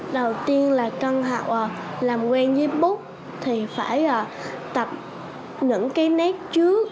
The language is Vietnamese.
đầu tiên là con học làm quen với bút thì phải tập những cái nét trước